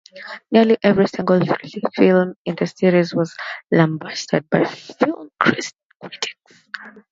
Nearly every single film in the series was lambasted by film critics.